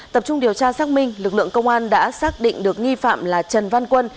tập trung điều tra xác minh lực lượng công an đã xác định được nghi phạm là trần văn quân